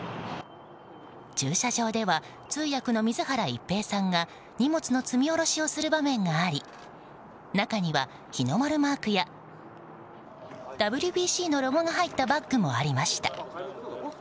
駐車場では通訳の水原一平さんが荷物の積み下ろしをする場面があり中には、日の丸マークやＷＢＣのロゴが入ったバッグもありました。